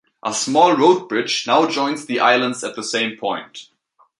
A small road-bridge now joins the islands at the same point.